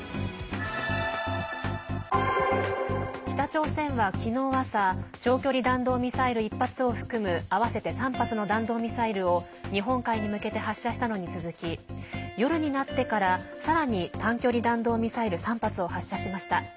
北朝鮮は昨日朝長距離弾道ミサイル１発を含む合わせて３発の弾道ミサイルを日本海に向けて発射したのに続き夜になってから、さらに短距離弾道ミサイル３発を発射しました。